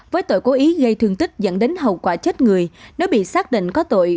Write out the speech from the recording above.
với tội cố ý gây thương tích dẫn đến hậu quả chết người nếu bị xác định có tội